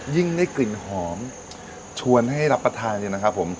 ยิ่งได้กลิ่นหอมชวนให้รับประทานเนี่ยนะครับผม